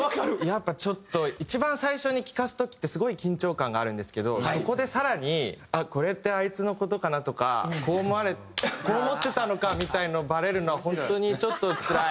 やっぱちょっと一番最初に聴かす時ってすごい緊張感があるんですけどそこで更に「あっこれってあいつの事かな？」とか「こう思ってたのか」みたいのバレるのは本当にちょっとつらい。